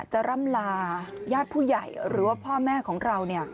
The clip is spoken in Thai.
ร่ำลาญาติผู้ใหญ่หรือว่าพ่อแม่ของเรา